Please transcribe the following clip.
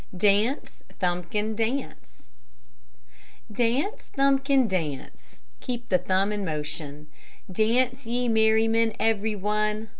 DANCE, THUMBKIN DANCE Dance, Thumbkin, dance; (keep the thumb in motion Dance, ye merrymen, everyone.